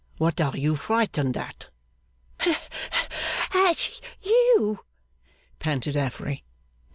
'What are you frightened at?' 'At you,' panted Affery.